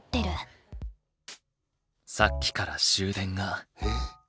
さっきから終電が。